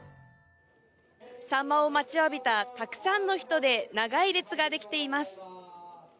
サンマを待ちわびたたくさんの人で長い列ができています。